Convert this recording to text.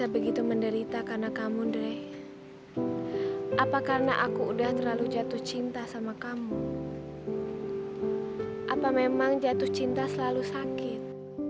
apa memang jatuh cinta selalu sakit